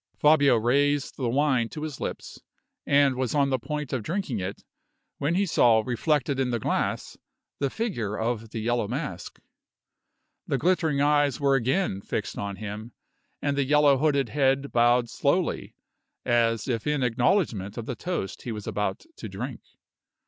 Fabio raised the wine to his lips, and was on the point of drinking it, when he saw reflected in the glass the figure of the Yellow Mask. The glittering eyes were again fixed on him, and the yellow hooded head bowed slowly, as if in acknowledgment of the toast he was about to drink.